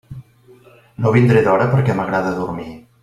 No vindré d'hora perquè m'agrada dormir.